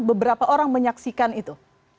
beberapa orang menyaksikan itu